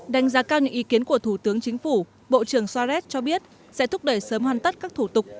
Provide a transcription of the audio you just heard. đánh giá cao những ý kiến của thủ tướng chính phủ bộ trưởng soares cho biết sẽ thúc đẩy sớm hoàn tất các thủ tục